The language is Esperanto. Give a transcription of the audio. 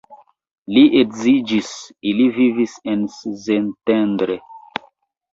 Li edziĝis, ili vivis en Szentendre.